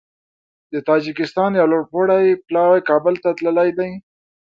د تاجکستان یو لوړپوړی پلاوی کابل ته تللی دی